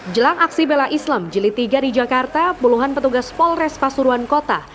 jelang aksi bela islam jilid tiga di jakarta puluhan petugas polres pasuruan kota